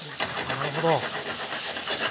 なるほど。